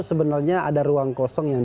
sebenarnya ada ruang kosong yang